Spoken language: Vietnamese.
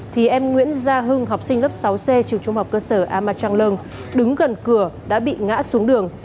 thì em nguyễn gia hưng học sinh lớp sáu xe trường trung học cơ sở amatang leung đứng gần cửa đã bị ngã xuống đường